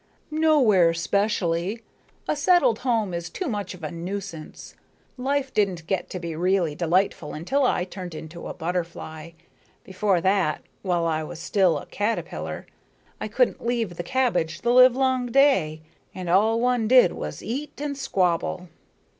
"Nowhere specially. A settled home is too much of a nuisance. Life didn't get to be really delightful until I turned into a butterfly. Before that, while I was still a caterpillar, I couldn't leave the cabbage the livelong day, and all one did was eat and squabble."